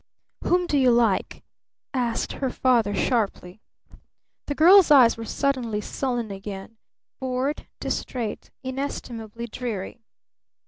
"Whom do you like?" asked her father sharply. The girl's eyes were suddenly sullen again bored, distrait, inestimably dreary.